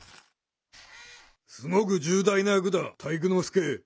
すごく重大なやくだ体育ノ介。